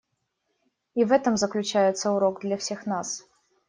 И в этом заключается урок для всех нас.